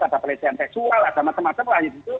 atau pelecehan seksual dan macam macam lain